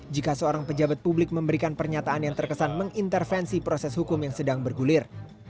jika seorang pejabat publik memberikan pernyataan yang terkesan mengintervensi proses hukum yang sedang bergulir